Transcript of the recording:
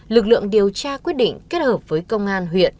lực lượng điều tra quyết định kết hợp với công an huyện